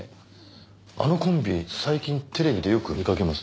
あのコンビ最近テレビでよく見かけます。